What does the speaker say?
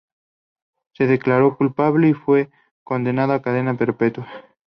Se declaró culpable y fue condenado a cadena perpetua.